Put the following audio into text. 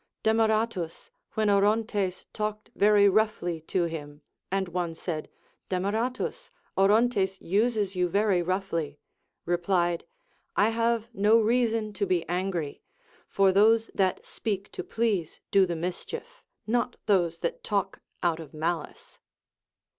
Demaratus, — when Orontes talked very roughly to him, and one said, Demaratus, Orontes uses you very roughly, — replied, I have no reason to be angry, for those that speak to please do the mischief, not those that talk out of malice.